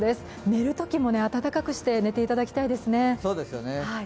寝るときも温かくして寝ていただきたいですね。